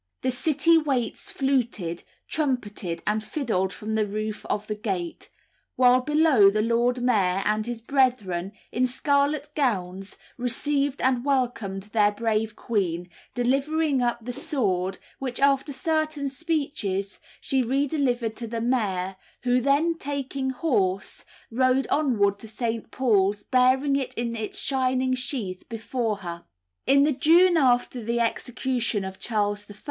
The City waits fluted, trumpeted, and fiddled from the roof of the gate; while below, the Lord Mayor and his brethren, in scarlet gowns, received and welcomed their brave queen, delivering up the sword which, after certain speeches, she re delivered to the mayor, who, then taking horse, rode onward to St. Paul's bearing it in its shining sheath before her. In the June after the execution of Charles I.